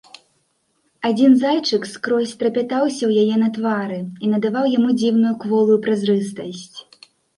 Адзін зайчык скрозь трапятаўся ў яе на твары і надаваў яму дзіўную кволую празрыстасць.